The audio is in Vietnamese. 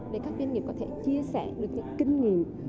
để các doanh nghiệp có thể chia sẻ được những kinh nghiệm